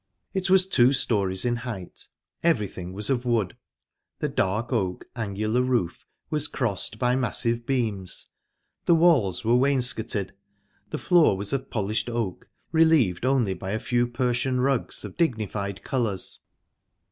It was two storeys in height; everything was of wood. The dark oak, angular roof was crossed by massive beams, the walls were wainscoted, the floor was of polished oak, relieved only by a few Persian rugs, of dignified colours.